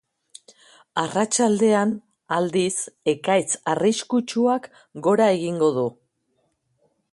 Arratsaldean, aldiz, ekaitz arriskuak gora egingo du.